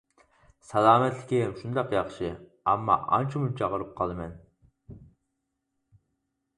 سالامەتلىكىم :شۇنداق ياخشى! ئەمما ئانچە-مۇنچە ئاغرىپ قالىمەن.